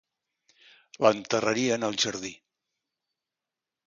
L'enterraria en el jardí.